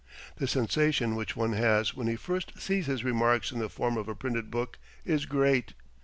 The sensation which one has when he first sees his remarks in the form of a printed book is great.